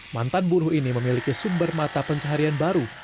mantan buruh ini memiliki sumber mata pencaharian baru